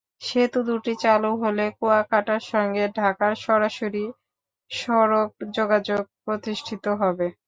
সেতু দুটি চালু হলে কুয়াকাটার সঙ্গে ঢাকার সরাসরি সড়ক যোগাযোগ প্রতিষ্ঠিত হবে।